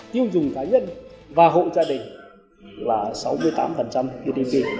tiêu dùng cá nhân và hội gia đình là sáu mươi tám đối với tiêu dùng